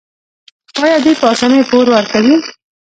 آیا دوی په اسانۍ پور ورکوي؟